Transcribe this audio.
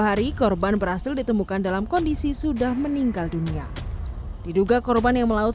hari korban berhasil ditemukan dalam kondisi sudah meninggal dunia diduga korban yang melaut